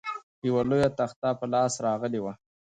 یوه لویه تخته په لاس راغلې وه.